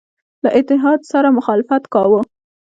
له اتحاد سره مخالفت کاوه.